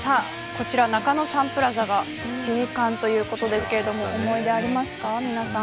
こちら中野サンプラザが閉館ということですが思い出ありますか、皆さん。